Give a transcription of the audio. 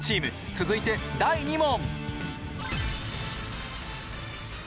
続いて第２問！